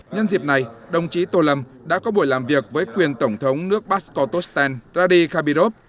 nhân dịp này đồng chí tô lâm đã có buổi làm việc với quyền tổng thống nước basco totosten radi khabirov